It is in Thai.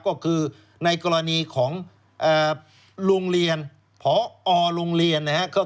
ก็คือในกรณีของโรงเรียนพอโรงเรียนนะครับ